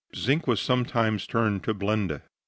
Zinc was sometimes turned to blende.